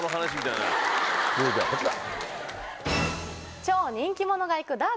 続いてはこちら！